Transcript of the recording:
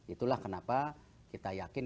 itulah kenapa kita yakin